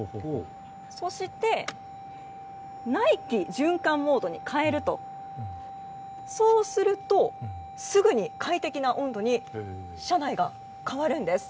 そして内気循環モードに変えるとそうすると、すぐに快適な温度に車内が変わるんです。